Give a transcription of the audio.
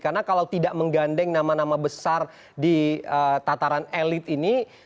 karena kalau tidak menggandeng nama nama besar di tataran elit ini